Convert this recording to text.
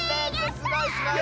すごいすごい！